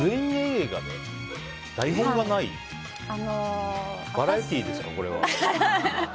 バラエティーですか、これは。